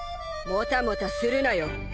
もたもたするなよ。